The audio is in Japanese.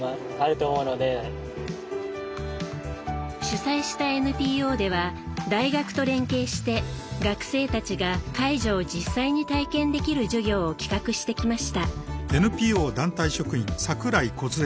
主催したＮＰＯでは大学と連携して、学生たちが介助を実際に体験できる授業を企画してきました。